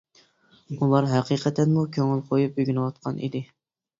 ئۇلار ھەقىقەتەنمۇ كۆڭۈل قويۇپ ئۆگىنىۋاتقان ئىدى.